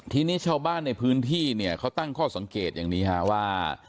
ทีนี้ชาวบ้านในพื้นที่เนี่ยเขาตั้งข้อสังเกตอย่างนี้ฮะว่า